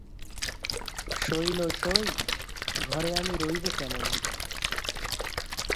সই লো সই, ঘরে আমি রইব কেমনে!